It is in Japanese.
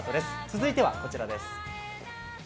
続いてはこちらです。